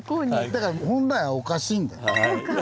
だから本来はおかしいんだよ。